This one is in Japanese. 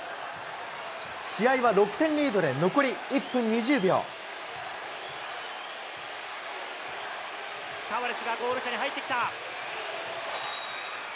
試合は６点リードで残り１分２０タバレスがゴール下に入ってきた。